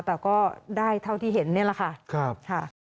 แต่ก็ได้เท่าที่เห็นนี่แหละค่ะ